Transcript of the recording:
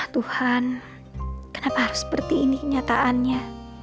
tuhan kenapa harus seperti ini kenyataannya